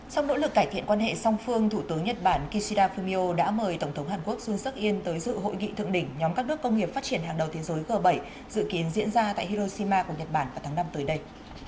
trong nỗ lực cải thiện quan hệ song phương thủ tướng nhật bản kishida fumio đã mời tổng thống hàn quốc jun suk in tới dự hội nghị thượng đỉnh nhóm các nước công nghiệp phát triển hàng đầu thế giới g bảy dự kiến diễn ra tại hiroshima của nhật bản vào tháng năm tới đây